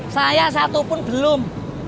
saya satu pun belum